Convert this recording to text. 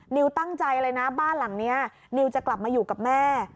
นิวตั้งใจเลยนะบ้านหลังนี้นิวจะกลับมาอยู่กับแม่